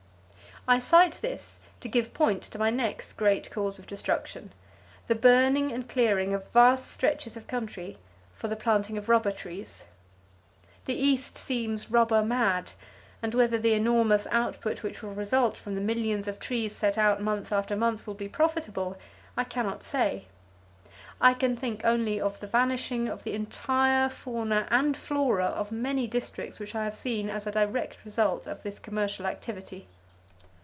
I cite this to give point to my next great cause of destruction; the burning and clearing of vast stretches of country for the planting of rubber trees. The East seems rubber mad, and whether the enormous output which will result from the millions of trees set out month after month will be profitable, I cannot say. I can think only of the vanishing of the entire fauna and flora of many districts which I have seen as a direct result of this commercial activity.